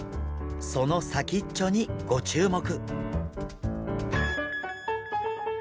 その先っちょにご注目！